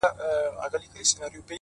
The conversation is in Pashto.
• په شنو طوطیانو ښکلی ښکلی چنار,